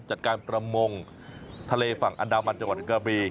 จัดการประมงทะเลฝั่งอันดามันจังหวัดกระบี